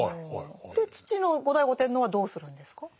父の後醍醐天皇はどうするんですか？